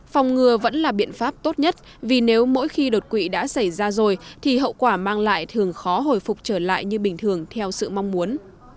phòng ngừa vẫn là biện pháp tốt nhất vì nếu mỗi khi đột quỵ đã xảy ra rồi thì hậu quả mang lại thường khó hồi phục trở lại như bình thường theo sự mong muốn